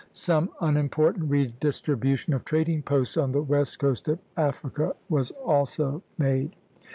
Some unimportant redistribution of trading posts on the west coast of Africa was also made.